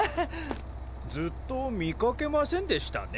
ずっと見かけませんでしたね。